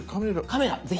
カメラぜひ。